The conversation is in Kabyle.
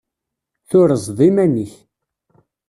Turzeḍ iman-ik.